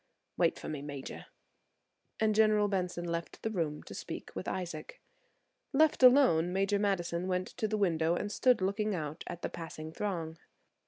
Wait for me, Major," and General Benson left the room to speak with Isaac. Left alone, Major Madison went to the window and stood looking out at the passing throng.